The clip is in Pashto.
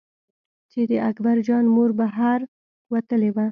چې د اکبر جان مور بهر وتلې وه.